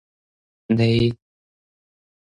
咧